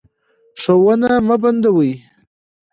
ښوونه مه بندوئ.